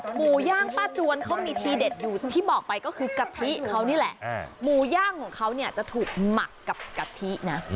หมูย่างป้าจวนเขามีทีเด็ดอยู่ที่บอกไปก็คือกะทิเขานี่แหละหมูย่างของเขาเนี่ยจะถูกหมักกับกะทินะ